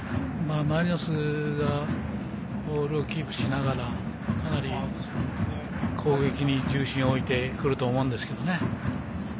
マリノスがボールをキープしながら攻撃に重心を置いてくると思うんですけれどね。